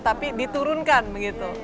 tapi diturunkan begitu